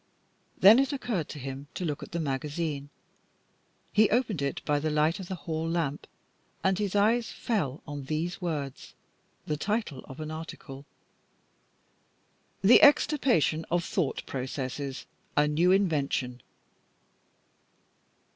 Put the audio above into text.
Then it occurred to him to look at the magazine. He opened it by the light of the hall lamp, and his eyes fell on these words, the title of an article: "The Extirpation of Thought Processes. A New Invention."